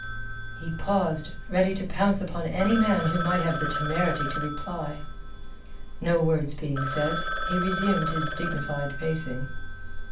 He paused, ready to pounce upon any man who might have the temerity to reply. No words being said, he resumed his dignified pacing.